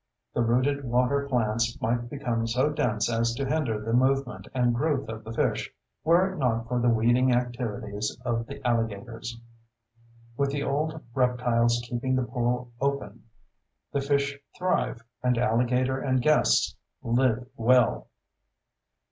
The rooted water plants might become so dense as to hinder the movement and growth of the fish, were it not for the weeding activities of the alligators. With the old reptiles keeping the pool open, the fish thrive, and alligator and guests live well.